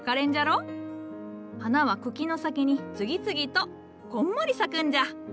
花は茎の先に次々とこんもり咲くんじゃ。